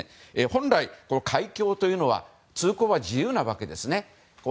本来、海峡というのは通行は自由なわけですね。